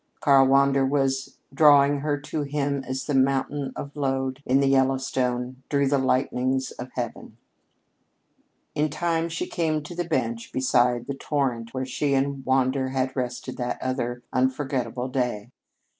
Karl Wander was drawing her to him as that mountain of lode in the Yellowstone drew the lightnings of heaven. In time she came to the bench beside the torrent where she and Wander had rested that other, unforgettable day.